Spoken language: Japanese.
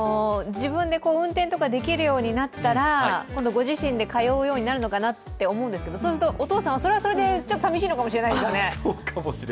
自分で運転とかできるようになったら、今度ご自身で通うようになるのかなと思うんですけどそうするとお父さんはそれはそれでちょっと寂しいのかもしれないですね。